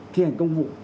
thi hành công vụ